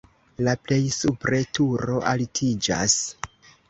La plej supre turo altiĝas.